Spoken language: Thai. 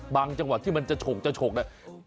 บางจังหวะที่มันจะฉกแหละ